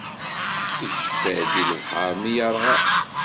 Icfa-d i lebḥeṛ mi yeṛɣa.